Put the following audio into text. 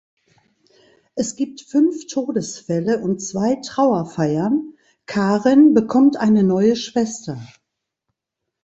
Es gibt fünf Todesfälle und zwei Trauerfeiern, Karen bekommt eine neue Schwester.